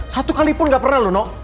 satu kalipun gak pernah lho no